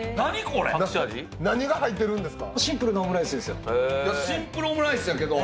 何が入ってるんですか？